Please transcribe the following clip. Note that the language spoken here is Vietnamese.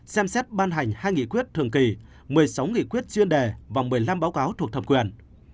xem xét ban hành hai nghị quyết thường kỳ một mươi sáu nghị quyết chuyên đề và một mươi năm báo cáo thuộc thẩm quyền